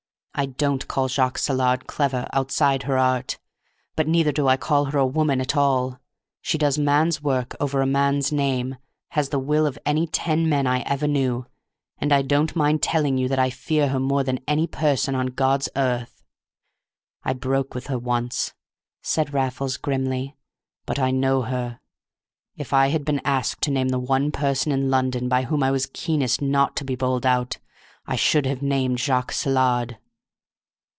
I don't call Jacques Saillard clever outside her art, but neither do I call her a woman at all. She does man's work over a man's name, has the will of any ten men I ever knew, and I don't mind telling you that I fear her more than any person on God's earth. I broke with her once," said Raffles, grimly, "but I know her. If I had been asked to name the one person in London by whom I was keenest not to be bowled out, I should have named Jacques Saillard."